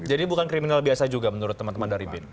jadi bukan kriminal biasa juga menurut teman teman dari bin